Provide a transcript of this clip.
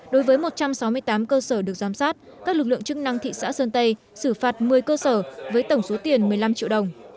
đối với một trăm sáu mươi tám cơ sở được giám sát các lực lượng chức năng thị xã sơn tây xử phạt một mươi cơ sở với tổng số tiền một mươi năm triệu đồng